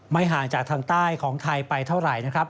ห่างจากทางใต้ของไทยไปเท่าไหร่นะครับ